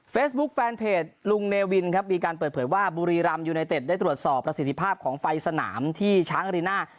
เฟซบุ๊คแฟนเพจลุงเนวินมีการเปิดเผยว่าบุรีรัมย์ยูไนเต็ดได้ตรวจสอบรักษีธิภาพของไฟสนามที่ช้างอรินา